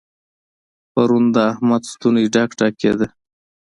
پرون د احمد ستونی ډک ډک کېد.